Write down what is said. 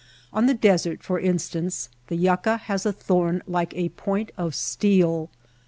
On the desert, for instance, the yucca has a thorn like a point of steel.